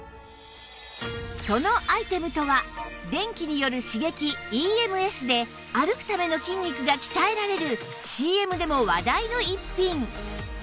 そのアイテムとは電気による刺激 ＥＭＳ で歩くための筋肉が鍛えられる ＣＭ でも話題の逸品！